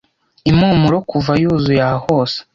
impumuro kuva yuzuye aha hose